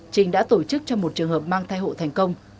trinh đã tổ chức cho một trường hợp mang thai hộ thành công